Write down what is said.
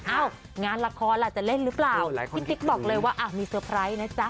งานละครล่ะจะเล่นหรือเปล่าพี่ติ๊กบอกเลยว่ามีเตอร์ไพรส์นะจ๊ะ